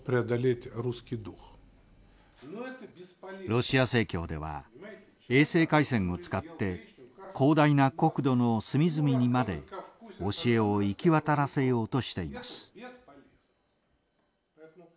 ロシア正教では衛星回線を使って広大な国土の隅々にまで教えを行き渡らせようとしています。